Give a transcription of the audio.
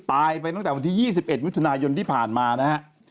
ตายไปตั้งแต่วันที่๒๑มิถุนายนที่ผ่านมานะฮะ